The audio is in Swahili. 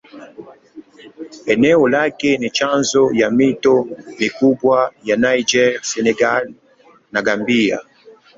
Eneo lake ni chanzo ya mito mikubwa ya Niger, Senegal na Gambia.